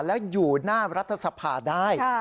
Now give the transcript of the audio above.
แล้วอยู่หน้ารัฐสภาได้